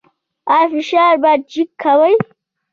ایا فشار به چیک کوئ؟